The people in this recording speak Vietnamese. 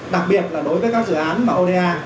đặc biệt là đối với các dự án mà oda